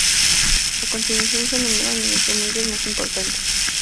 A continuación se enumeran los instrumentos más importantes.